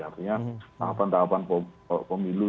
artinya tahapan tahapan pemilu